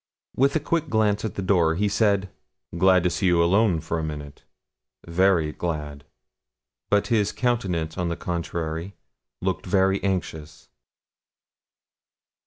With a quick glance at the door, he said 'Glad to see you alone for a minute very glad.' But his countenance, on the contrary, looked very anxious.